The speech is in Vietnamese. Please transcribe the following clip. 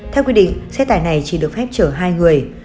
theo quy định xe tải này chỉ được phép chở hai người